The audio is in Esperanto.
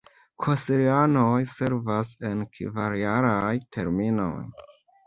Konsilianoj servas en kvar-jaraj terminoj.